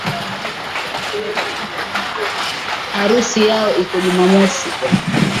Harusi yao iko jumamosi